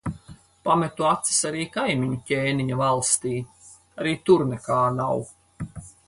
Pametu acis arī kaimiņu ķēniņa valstī. Arī tur nekā nav.